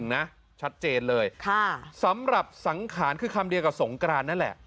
นะชัดเจนเลยสำหรับสังขารคือคำเดียวกับสงกรานนั่นแหละ